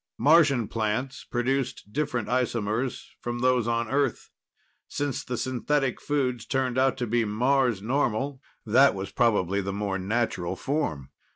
Martian plants produced different isomers from those on Earth. Since the synthetic foods turned out to be Mars normal, that was probably the more natural form.